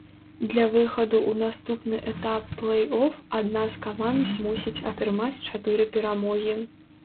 Для выхаду ў наступны этап плэй-оф адна з каманд мусіць атрымаць чатыры перамогі.